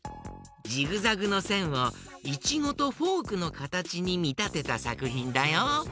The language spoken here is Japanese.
ジグザグのせんをイチゴとフォークのかたちにみたてたさくひんだよ。